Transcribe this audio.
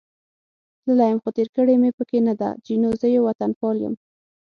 تللی یم، خو تېر کړې مې پکې نه ده، جینو: زه یو وطنپال یم.